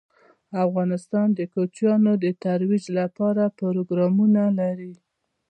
افغانستان د کوچیان د ترویج لپاره پروګرامونه لري.